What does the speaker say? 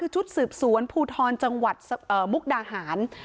ชุดสืบสวนภูทรจังหวัดมุกดาหาร